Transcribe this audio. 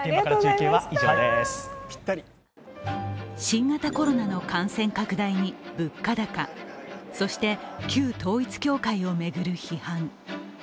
新型コロナの感染拡大に物価高、そして、旧統一教会を巡る批判。